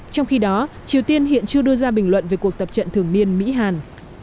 trong khi đó triều tiên hiện chưa đưa ra bình luận về cuộc tập trận thường niên mỹ hàn